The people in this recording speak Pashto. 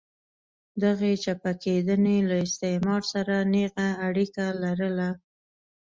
دغې چپه کېدنې له استعمار سره نېغه اړیکه لرله.